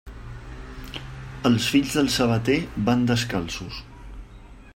Els fills del sabater van descalços.